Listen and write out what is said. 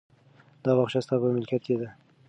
دا باغچه ستا په ملکیت کې ده.